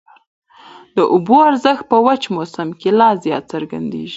د اوبو ارزښت په وچ موسم کي لا زیات څرګندېږي.